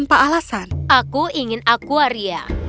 aku ingin akuaria